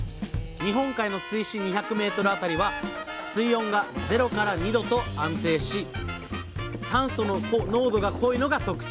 日本海の水深２００メートル辺りは水温が０２度と安定し酸素の濃度が濃いのが特徴。